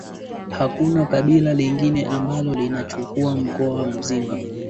Hakuna kabila lingine ambalo linachukua mkoa mzima